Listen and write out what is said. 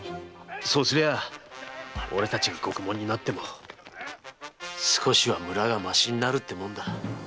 そうすりゃ俺たちが獄門になっても少しは村がましになるってもんだ。